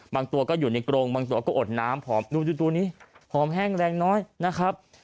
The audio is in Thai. บางตัวก็อยู่ในกรงบางตัวก็อดน้ำหอมดูตัวนี้หอมแห้งแรงน้อยนะครับ